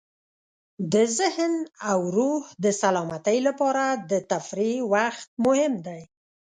د ذهن او روح د سلامتۍ لپاره د تفریح وخت مهم دی.